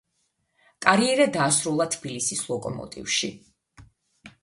კარიერა დაასრულა თბილისის „ლოკომოტივში“.